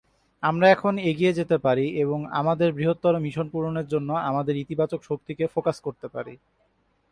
আমরা এখন এগিয়ে যেতে পারি এবং আমাদের বৃহত্তর মিশন পূরণের জন্য আমাদের ইতিবাচক শক্তিকে ফোকাস করতে পারি।